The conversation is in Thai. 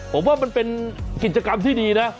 ผมว่ามันเป็นกิจกรรมที่ดีนะ